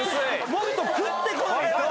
もっと食ってこないと。